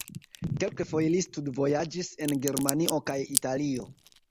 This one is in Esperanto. Kelkfoje li studvojaĝis en Germanio kaj Italio.